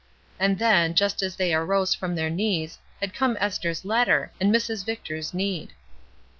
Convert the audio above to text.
And then, just as they arose from their knees, had come Esther's letter, and Mrs. Vic tor's need.